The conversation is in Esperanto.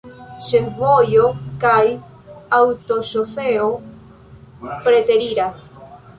Ĉefvojo kaj aŭtoŝoseo preteriras.